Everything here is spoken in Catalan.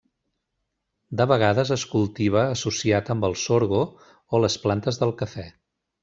De vegades es cultiva associat amb el sorgo o les plantes del cafè.